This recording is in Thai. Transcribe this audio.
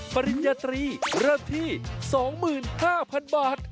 ปริญญาตรีราธิ๒๕๐๐๐บาท